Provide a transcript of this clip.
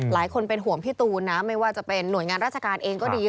หลายคนเป็นห่วงพี่ตูนนะไม่ว่าจะเป็นหน่วยงานราชการเองก็ดี